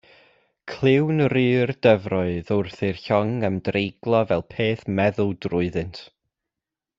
Clywn ru'r dyfroedd wrth i'r llong ymdreiglo fel peth meddw drwyddynt.